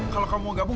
kalau kamu mau gabung